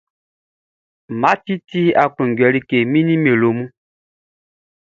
Math ti aklunjuɛ like nin nimero mun.